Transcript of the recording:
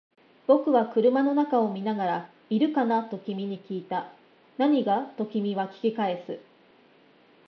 僕は車の中を見ながら、いるかな？と君に訊いた。何が？と君は訊き返す。